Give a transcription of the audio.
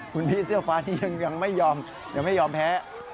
คุณพี่เสื้อฟ้านี้ยังไม่ยอมยังไม่ยอมแพ้